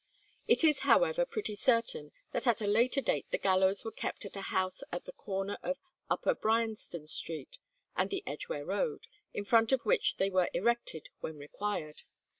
It is, however, pretty certain that at a later date the gallows were kept at a house at the corner of Upper Bryanston Street and the Edgeware Road, in front of which they were erected when required.